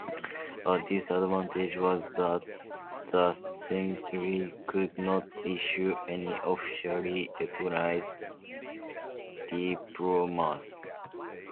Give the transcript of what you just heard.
A disadvantage was that the seminary could not issue any officially recognized diplomas.